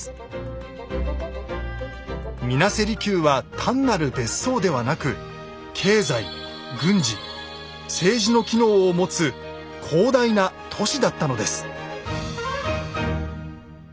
水無瀬離宮は単なる別荘ではなく経済軍事政治の機能を持つ広大な都市だったのです。